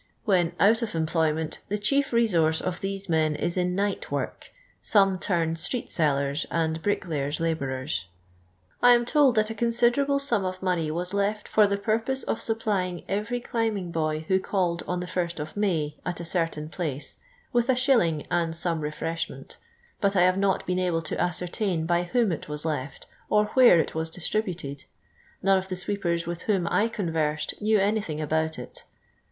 When out of employnu'iit the chief resource of thoe men is in ni;;h: work; some turn street M'liers and bricklayers' lahoareri. I am t"ld tliat a considerable sum of m»ney was left fi r the jmrp iRC of supplying every climb iiigboy whi> called «>n tlie first of May at a cvri»in place, with a shilling and some refreshniont, but I have not been able to a^'oruiin by whom it was left, or where it was distributed : n«nie of the sweepers with whom I conversed knew anything about it.